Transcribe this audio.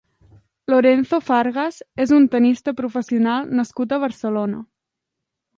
Lorenzo Fargas és un tennista professional nascut a Barcelona.